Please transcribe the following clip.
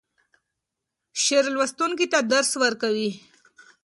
شعر لوستونکی ته درس ورکوي.